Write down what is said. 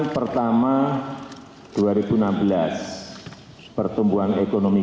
kita hidup di indonesia